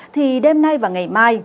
thì đêm nay và ngày mai